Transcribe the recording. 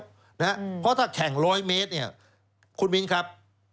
เพราะถ้าแข่ง๑๐๐เมตรเนี่ยคุณมิ้นครับ